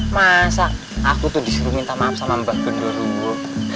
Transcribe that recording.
masa aku tuh disuruh minta maaf sama mbak gubernur